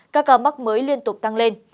các ca mắc mới liên tục tăng lên